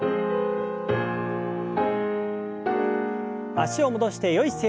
脚を戻してよい姿勢に。